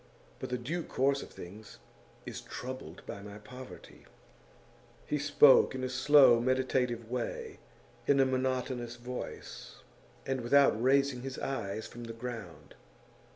But the due course of things is troubled by my poverty.' He spoke in a slow, meditative way, in a monotonous voice, and without raising his eyes from the ground.